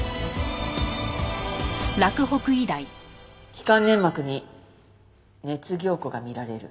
気管粘膜に熱凝固が見られる。